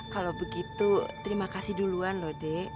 kalau begitu terima kasih duluan loh dek